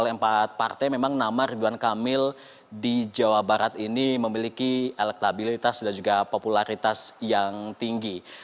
oleh empat partai memang nama ridwan kamil di jawa barat ini memiliki elektabilitas dan juga popularitas yang tinggi